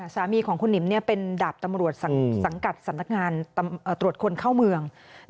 สามีของคุณหนิมเป็นดาบตำรวจสังกัดสำนักงานตรวจคนเข้าเมือง